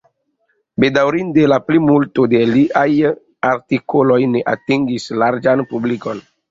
Bedaŭrinde, la plimulto de liaj artikoloj ne atingis larĝan publikon.